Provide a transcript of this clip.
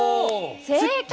正解！